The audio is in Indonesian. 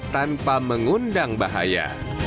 tanpa mengundang bahaya